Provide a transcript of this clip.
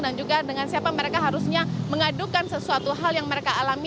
dan juga dengan siapa mereka harusnya mengadukan sesuatu hal yang mereka alami